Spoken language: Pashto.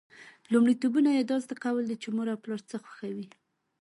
لومړیتوبونه یې دا زده کول دي چې مور او پلار څه خوښوي.